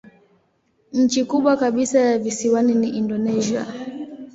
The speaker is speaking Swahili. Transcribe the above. Nchi kubwa kabisa ya visiwani ni Indonesia.